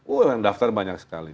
udah daftar banyak sekali